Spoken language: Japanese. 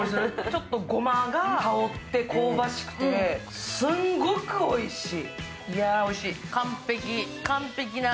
ちょっとごまが香って香ばしくて、すんごくおいしい。